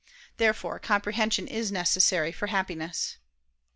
Therefore comprehension is necessary for Happiness.